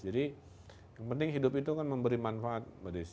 jadi yang penting hidup itu kan memberi manfaat